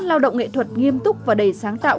lao động nghệ thuật nghiêm túc và đầy sáng tạo